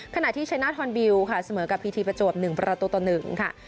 ขณะที่ชัยนาธอนบิลค่ะเสมอกับพีทีประจวบ๑ประตูต่อ๑ค่ะ